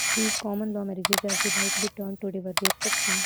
These "common-law marriages" as they might be termed today were the exception.